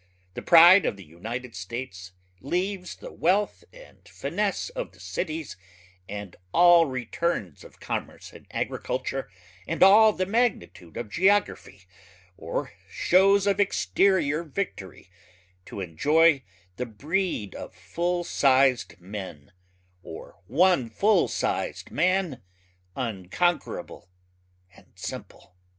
The pride of the United States leaves the wealth and finesse of the cities and all returns of commerce and agriculture and all the magnitude of geography or shows of exterior victory to enjoy the breed of full sized men or one full sized man unconquerable and simple.